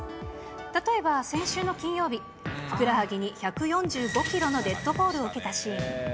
例えば先週の金曜日、ふくらはぎに１４５キロのデッドボールを受けたシーン。